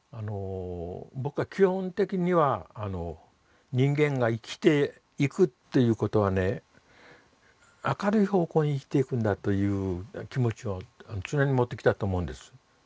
僕は基本的には人間が生きていくっていうことはね明るい方向に生きていくんだという気持ちを常に持ってきたと思うんです。